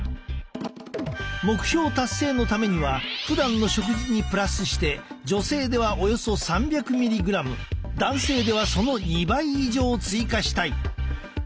目標達成のためにはふだんの食事にプラスして女性ではおよそ３００ｍｇ男性ではその２倍以上追加したい。